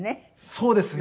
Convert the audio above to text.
そうですね。